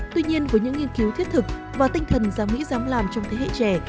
tuy nhiên với những nghiên cứu thiết thực và tinh thần giám nghĩ giám làm trong thế hệ trẻ